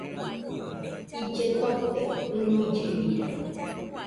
Ille tote, jɨnuille jira